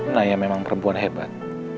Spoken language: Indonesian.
naya memang perempuan hebat